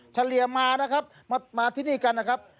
เฉลี่ยมานะครับมาที่นี่กันนะครับ